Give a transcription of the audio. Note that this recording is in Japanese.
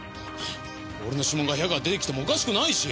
俺の指紋が部屋から出てきてもおかしくないし！